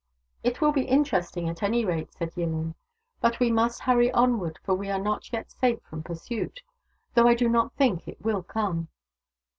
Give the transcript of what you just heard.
" It will be interesting, at any rate," said Yillin. " But we must hurry onward, for we are not yet safe from pursuit — though I do not think it will come."